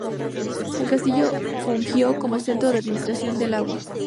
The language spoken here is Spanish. El Castillo fungió como centro de administración del agua.